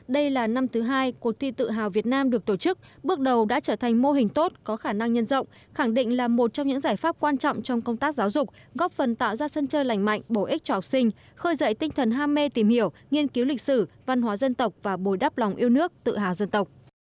đây là năm thứ hai cuộc thi tự hào việt nam được tổ chức bước đầu đã trở thành mô hình tốt có khả năng nhân rộng khẳng định là một trong những giải pháp quan trọng trong công tác giáo dục góp phần tạo ra sân chơi lành mạnh bổ ích cho học sinh khơi dậy tinh thần ham mê tìm hiểu nghiên cứu lịch sử văn hóa dân tộc và bồi đắp lòng yêu nước tự hào dân tộc